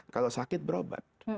kalau sakit berobat